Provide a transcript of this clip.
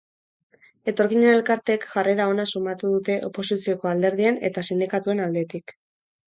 Etorkinen elkarteek jarrera ona sumatu dute oposizioko alderdien eta sindikatuen aldetik.